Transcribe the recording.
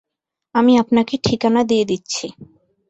আমি আপনাকে ঠিকানা দিয়ে দিচ্ছি।